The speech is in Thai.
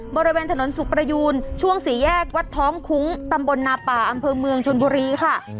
บริเวณถนนสุขประยูนช่วงสี่แยกวัดท้องคุ้งตำบลนาป่าอำเภอเมืองชนบุรีค่ะ